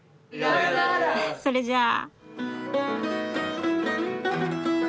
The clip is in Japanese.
それじゃあ。